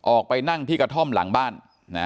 ออกไปนั่งที่กระท่อมหลังบ้าน